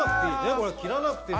これ切らなくても。